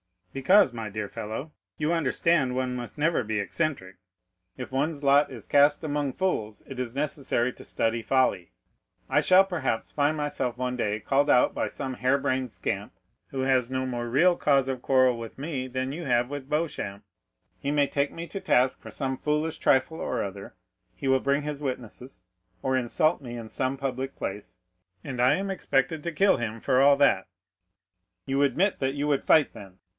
"Because, my dear fellow, you understand one must never be eccentric. If one's lot is cast among fools, it is necessary to study folly. I shall perhaps find myself one day called out by some harebrained scamp, who has no more real cause of quarrel with me than you have with Beauchamp; he may take me to task for some foolish trifle or other, he will bring his witnesses, or will insult me in some public place, and I am expected to kill him for all that." "You admit that you would fight, then?